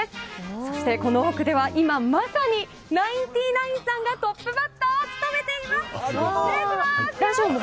そして、この奥では今まさにナインティナインさんがトップバッターを務めています！